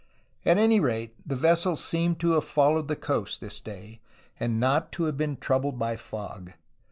At any rate, the vessels seem to have followed the coast this day, and not to have been troubled by fog.